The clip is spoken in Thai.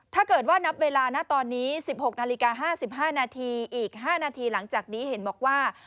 ถ้าเกิดว่านับเวลานะตอนนี้๑๖นาฬิกา๕๕นาทีอีก๕นาทีหลังจากนี้เห็นบอกว่า